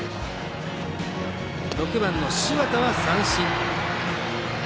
６番の柴田は三振。